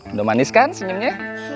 udah manis kan senyumnya